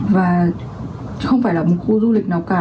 và không phải là một khu du lịch nào cả